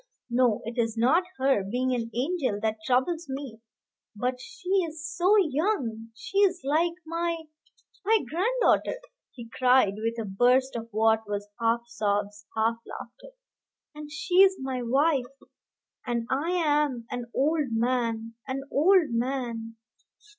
No, it is not her being an angel that troubles me; but she is so young! She is like my my granddaughter," he cried, with a burst of what was half sobs, half laughter; "and she is my wife, and I am an old man an old man!